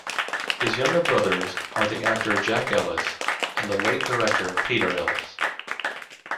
His younger brothers are the actor Jack Ellis and the late director Peter Ellis.